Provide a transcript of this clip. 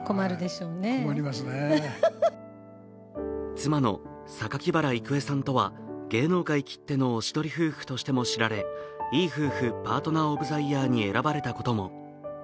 妻の榊原郁恵さんとは芸能界きってのおしどり夫婦としても知られいい夫婦パートナー・オブ・ザ・イヤーに選ばれたことも。